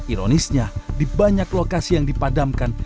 ironisnya di banyak lokasi yang dipadamkan